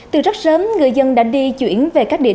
treo ô ngồi dưới vỉa hè